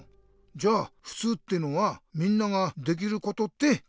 じゃあふつうってのは「みんなができること」ってことなのか。